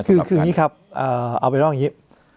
คืออย่างนี้ครับเอาไปร้องอย่างนี้